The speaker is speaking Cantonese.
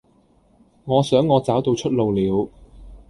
我想我找到出路了